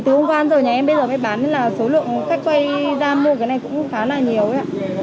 từ hôm qua đến giờ nhà em bây giờ mới bán nên là số lượng khách quay ra mua cái này cũng khá là nhiều